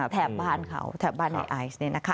แถบบ้านเขาแถบบ้านนายไอซ์เนี่ยนะคะ